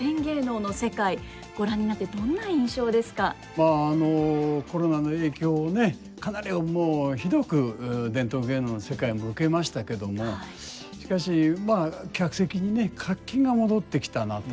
まああのコロナの影響ねかなりひどく伝統芸能の世界も受けましたけどもしかしまあ客席にね活気が戻ってきたなと。